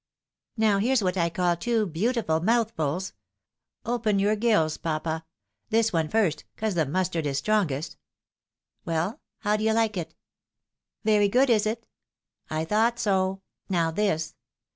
" Now, here's what I call two beautiful mouthfuls. Open your giUs, papa. This one first, 'cause the mustard is strongest. Well, how d'ye Uke it? Very good, is it? I thought so. Now this.